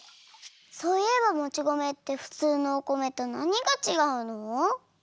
そういえばもち米ってふつうのお米となにがちがうの？